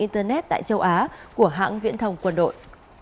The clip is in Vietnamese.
tại châu á của hãng viễn thông quân đội